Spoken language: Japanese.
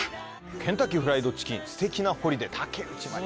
ケンタッキーフライドチキン「すてきなホリデイ」